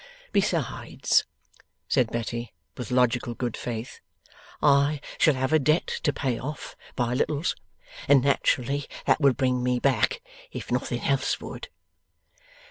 Besides,' said Betty, with logical good faith, 'I shall have a debt to pay off, by littles, and naturally that would bring me back, if nothing else would.